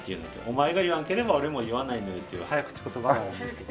お前が言わんければ俺も言わないのにっていう早口言葉なんですけど。